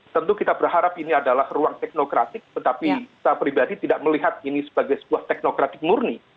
tentu kita berharap ini adalah ruang teknokratik tetapi saya pribadi tidak melihat ini sebagai sebuah teknokratik murni